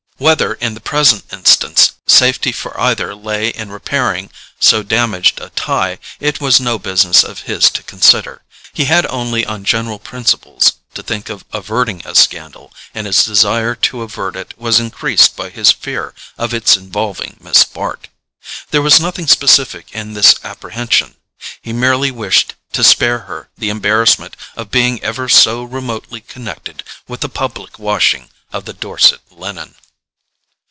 Whether, in the present instance, safety for either lay in repairing so damaged a tie, it was no business of his to consider: he had only, on general principles, to think of averting a scandal, and his desire to avert it was increased by his fear of its involving Miss Bart. There was nothing specific in this apprehension; he merely wished to spare her the embarrassment of being ever so remotely connected with the public washing of the Dorset linen.